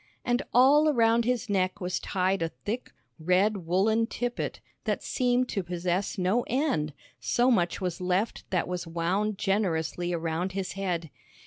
And all around his neck was tied a thick, red woollen tippet that seemed to possess no end, so much was left that was wound generously around his head.